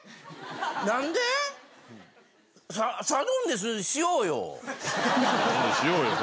何で⁉サドンデスしようよ。